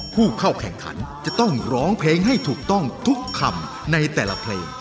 ผู้เข้าแข่งขันจะต้องร้องเพลงให้ถูกต้องทุกคำในแต่ละเพลง